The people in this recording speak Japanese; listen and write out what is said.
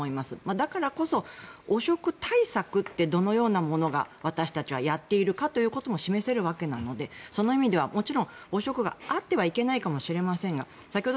だからこそ汚職対策ってどのようなものが私たちはやっているかということも示せるわけなのでその意味では、もちろん汚職があってはいけないかもしれませんが先ほど